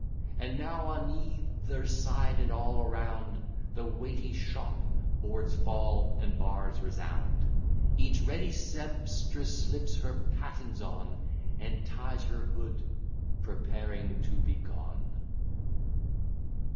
And now on either side, and all around, The weighty shop boards fall, and bars resound; Each ready sempstress slips her pattens on, And ties her hood, preparing to be gone.